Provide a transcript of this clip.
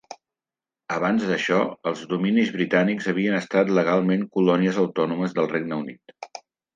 Abans d'això, els Dominis britànics havien estat legalment colònies autònomes del Regne Unit.